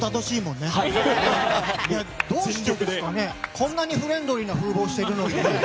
こんなにフレンドリーな風貌しているのにね。